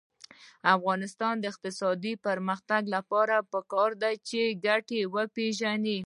د افغانستان د اقتصادي پرمختګ لپاره پکار ده چې ګټې وپېژنو.